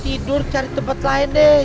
tidur cari tempat lain deh